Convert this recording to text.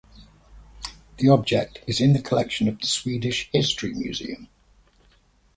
The object is in the collection of the Swedish History Museum.